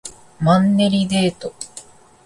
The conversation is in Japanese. マンネリデート